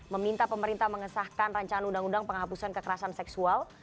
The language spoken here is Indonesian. meminta pemerintah mengesahkan rancangan undang undang penghapusan kekerasan seksual